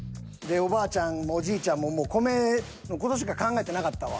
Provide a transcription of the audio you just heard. おばあちゃんもおじいちゃんも米の事しか考えてなかったわ。